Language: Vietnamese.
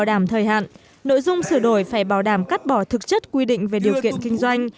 đảm thời hạn nội dung sửa đổi phải bảo đảm cắt bỏ thực chất quy định về điều kiện kinh doanh